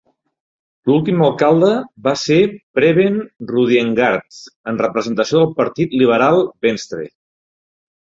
L'últim alcalde va ser Preben Rudiengaard, en representació del partit liberal Venstre.